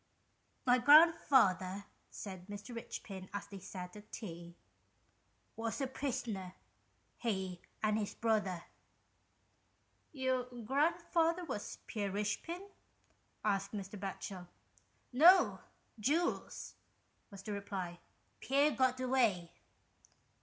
" My grandfather," said Mr. Eichpin, as they sat at tea, " was a prisoner — he and his brother." " Your grandfather was Pierre Richepin ?" asked Mr. Batchel. " No ! Jules," was the reply. " Pierre got away."